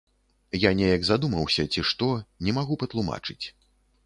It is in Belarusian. Я неяк задумаўся ці што, не магу патлумачыць.